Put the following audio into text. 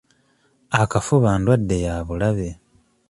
Akafuba ndwadde ya bulabe.